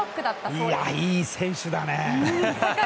いい選手だね！